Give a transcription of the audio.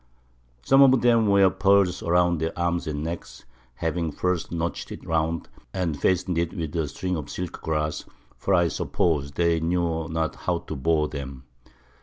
Some of them wear Pearl about their Arms and Necks, having first notch'd it round, and fasten'd it with a String of Silk Grass; for I suppose they knew not how to bore them.